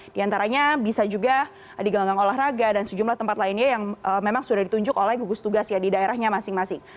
di antaranya bisa juga di gelanggang olahraga dan sejumlah tempat lainnya yang memang sudah ditunjuk oleh gugus tugas ya di daerahnya masing masing